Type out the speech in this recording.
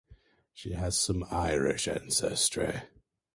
She has some Irish ancestry.